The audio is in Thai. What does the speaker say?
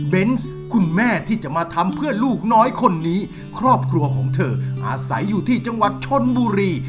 คุณแม่ที่จะมาทำเพื่อลูกน้อยคนนี้ครอบครัวของเธออาศัยอยู่ที่จังหวัดชนบุรี